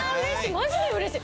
マジでうれしい！